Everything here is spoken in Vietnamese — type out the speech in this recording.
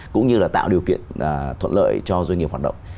cũng như là tạo điều kiện thuận lợi cho doanh nghiệp hoạt động